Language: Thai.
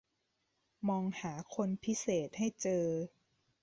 มองหาคนพิเศษให้เจอ